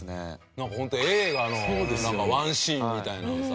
なんかホント映画のワンシーンみたいなさ。